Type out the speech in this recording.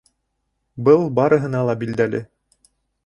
Был барыһына ла билдәле.